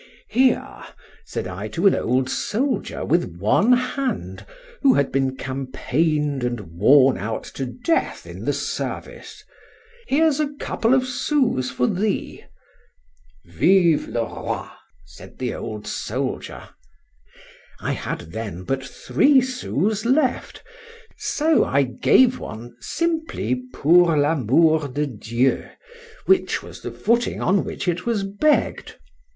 —Here! said I to an old soldier with one hand, who had been campaigned and worn out to death in the service—here's a couple of sous for thee.—Vive le Roi! said the old soldier. I had then but three sous left: so I gave one, simply, pour l'amour de Dieu, which was the footing on which it was begg'd.